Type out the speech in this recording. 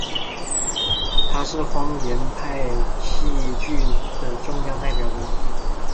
他是荒诞派戏剧的重要代表人物。